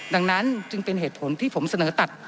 ดังนั้นจึงเป็นเหตุผลที่ผมเสนอตัด